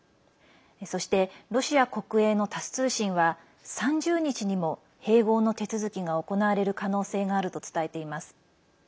そして、ロシア国営のタス通信は３０日にも併合の手続きが行われる可能性があると伝えています。